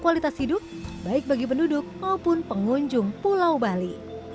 kualitas hidup baik bagi penduduk maupun pengunjung pulau bali